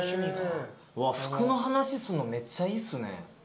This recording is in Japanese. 服の話するのめっちゃいいっすね。